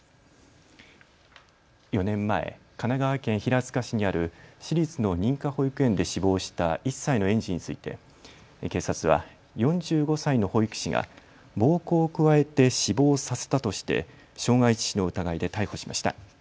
４年前、神奈川県平塚市にある私立の認可保育園で死亡した１歳の園児について警察は４５歳の保育士が暴行を加えて死亡させたとして傷害致死の疑いで逮捕しました。